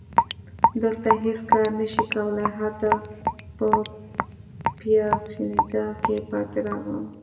دلته هیڅ کار نه شي کولای، هلته په پیاسینزا کي پاتې راغلم.